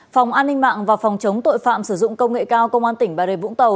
phòng an ninh mạng và phòng chống tội phạm sử dụng công nghệ cao công an tỉnh bà rê vũng tàu